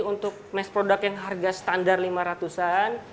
untuk mass product yang harga standar lima ratus an